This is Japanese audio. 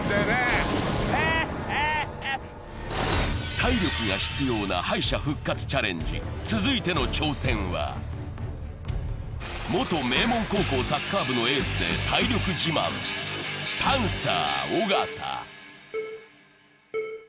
体力が必要な敗者復活チャレンジ、続いての挑戦は元名門高校サッカー部のエースで体力自慢、パンサー尾形。